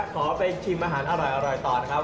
ขอไปชิมอาหารอร่อยต่อนะครับ